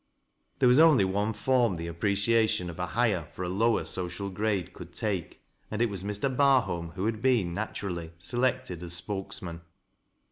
There was only one form the appreciation of a higher for a lower social grade could take, and it was Mr. Barholm who had been, naturally, selected as spokesman.